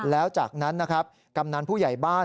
แล้วจากนั้นนะครับกำนันผู้ใหญ่บ้าน